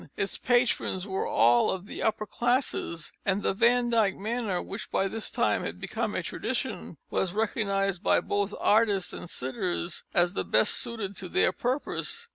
Its patrons were all of the upper classes, and the Van Dyck manner, which by this time had become a tradition, was recognised by both artists and sitters as the best suited to their purpose.